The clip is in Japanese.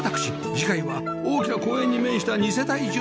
次回は大きな公園に面した二世帯住宅